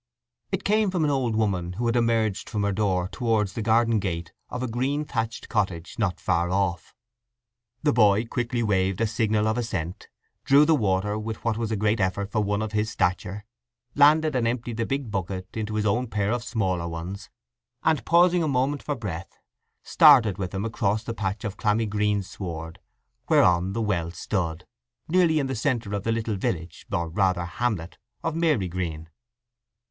It came from an old woman who had emerged from her door towards the garden gate of a green thatched cottage not far off. The boy quickly waved a signal of assent, drew the water with what was a great effort for one of his stature, landed and emptied the big bucket into his own pair of smaller ones, and pausing a moment for breath, started with them across the patch of clammy greensward whereon the well stood—nearly in the centre of the little village, or rather hamlet of Marygreen.